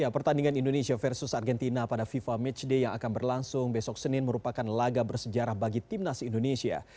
pertandingan indonesia versus argentina pada fifa matchday yang akan berlangsung besok senin merupakan laga bersejarah bagi timnas indonesia